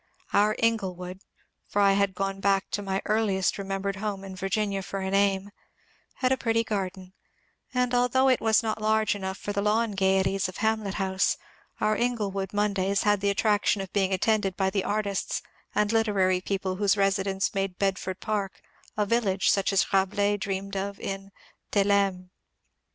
Our " Inglewood "— for I had gone back to my earliest remembered home in Virginia for a name — had a pretty garden ; and although it was not large enough for the lawn gaieties of Hamlet House, our Inglewood ^' Mondays " had the attraction of being attended by the artists and literary people whose residence made Bedford Park a village such as Rabelais dreamed of in " Theleme."